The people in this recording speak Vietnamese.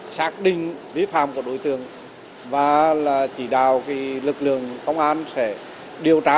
xác định bí phạm của đối tượng và chỉ đạo lực lượng công an sẽ điều tra